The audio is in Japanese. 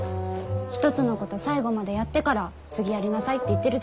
一つのこと最後までやってから次やりなさいって言ってるでしょ？